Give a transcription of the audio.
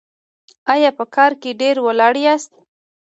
ایا په کار کې ډیر ولاړ یاست؟